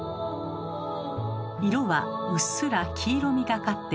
色はうっすら黄色みがかっています。